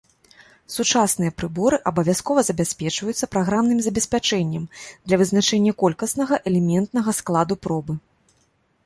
Сучасныя прыборы абавязкова забяспечваюцца праграмным забеспячэннем для вызначэння колькаснага элементнага складу пробы.